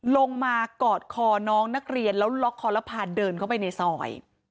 มากอดคอน้องนักเรียนแล้วล็อกคอแล้วพาเดินเข้าไปในซอย